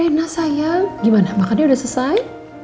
rena sayang gimana makannya udah selesai